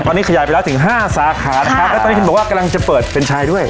ตอนนี้ขยายไปแล้วถึงห้าสาขานะครับแล้วตอนนี้คุณบอกว่ากำลังจะเปิดเป็นชายด้วย